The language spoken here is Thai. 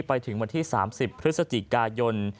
ไปถึงวันที่๓๐พฤศจิกายน